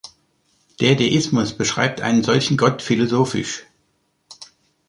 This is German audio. Der Deismus beschreibt einen solchen Gott philosophisch.